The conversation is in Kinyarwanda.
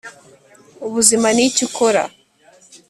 ubuzima nicyo ukora